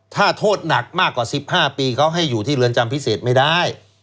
ถ้าโทษหนักมากกว่า๑๕ปีเขาให้อยู่ที่เรือนจำพิเศษไม่ได้